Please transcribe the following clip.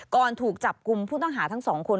ก่อนถูกจับกุมผู้ต้องหาทั้ง๒คน